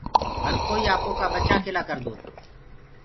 هر ڪوئي اپوڪآ بچآ ڪي لآ ڪردو هي۔